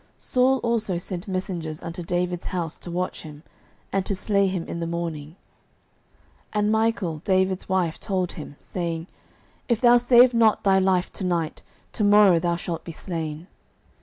09:019:011 Saul also sent messengers unto David's house, to watch him, and to slay him in the morning: and Michal David's wife told him, saying, If thou save not thy life to night, to morrow thou shalt be slain.